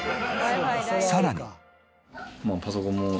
さらに。